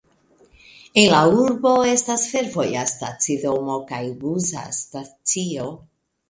En la urbo estas fervoja stacidomo kaj busa stacio.